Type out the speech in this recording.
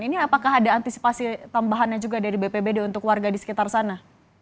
ini apakah ada antisipasi tambahannya juga dari bpbd untuk warga di sekitar sana